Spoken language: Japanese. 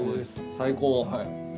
最高。